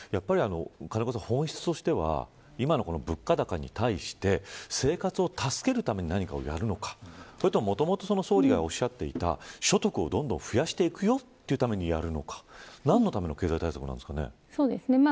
金子さん、本質としては今の物価高に対して生活を助けるために何かをやるのかもともと総理がおっしゃっていた所得をどんどん増やしていくよというためにやるのか何のための経済対策なんですかね。